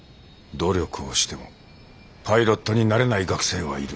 努力をしてもパイロットになれない学生はいる。